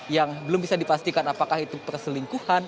yang belum bisa dipastikan apakah itu perselingkuhan